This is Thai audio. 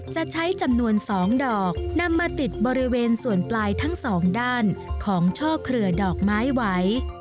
จะใช้จำนวน๒ดอกนำมาติดบริเวณส่วนปลายทั้งสองด้านของช่อเครือดอกไม้ไหว